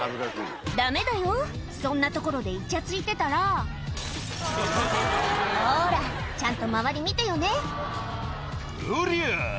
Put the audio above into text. ダメだよそんな所でイチャついてたらほらちゃんと周り見てよね「おりゃ！」